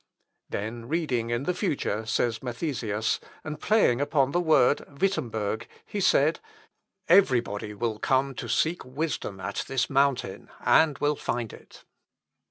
Then reading in the future, says Mathesius, and playing upon the word Wittemberg, he said, "Everybody will come to seek wisdom at this mountain, and will find it.